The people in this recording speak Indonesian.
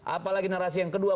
apalagi narasi yang kedua